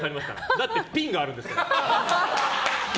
だってピンがあるんですから！